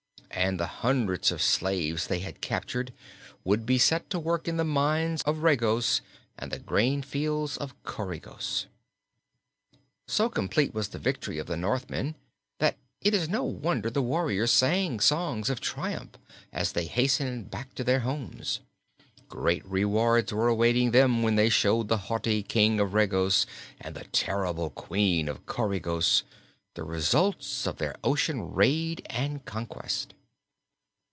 And the hundreds of slaves they had captured would be set to work in the mines of Regos and the grain fields of Coregos. So complete was the victory of the Northmen that it is no wonder the warriors sang songs of triumph as they hastened back to their homes. Great rewards were awaiting them when they showed the haughty King of Regos and the terrible Queen of Coregos the results of their ocean raid and conquest.